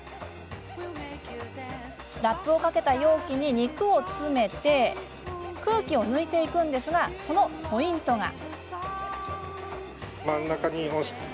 ラップをかけた容器に肉を詰め空気を抜いていくんですがそのポイントが。